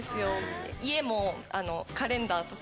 家もカレンダーとか。